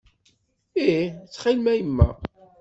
Ih, ttxil-m a yemma.